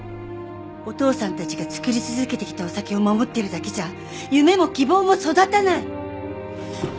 お父さんたちが造り続けてきたお酒を守ってるだけじゃ夢も希望も育たない！